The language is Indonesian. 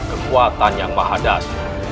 kekuatan yang mahadas